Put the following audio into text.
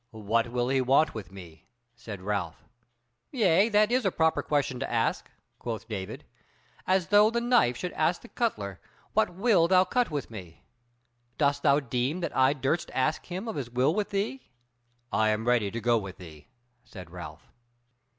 "What will he want with me?" said Ralph. "Yea, that is a proper question to ask!" quoth David; "as though the knife should ask the cutler, what wilt thou cut with me? Dost thou deem that I durst ask him of his will with thee?" "I am ready to go with thee," said Ralph.